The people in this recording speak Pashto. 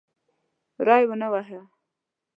ری ونه واهه.